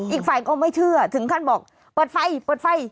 อีกฝ่ายก็ไม่เชื่อถึงขั้นบอกเปิดไฟเปิดไฟ